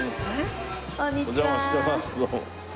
お邪魔してますどうも。